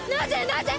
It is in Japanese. なぜ？